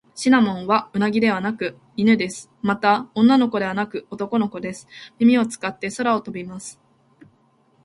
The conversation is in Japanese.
シナモンはウサギではなく犬です。また、女の子ではなく男の子です。耳を使って空を飛びます。